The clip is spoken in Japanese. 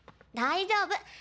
大丈夫。